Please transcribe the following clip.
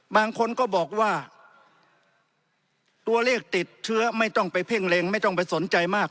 บางคนก็บอกว่าตัวเลขติดเชื้อไม่ต้องไปเพ่งเล็งไม่ต้องไปสนใจมาก